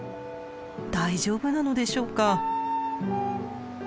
大丈夫なのでしょうか。